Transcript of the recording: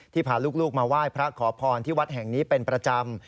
พาลูกมาไหว้พระขอพรที่วัดแห่งนี้เป็นประจำ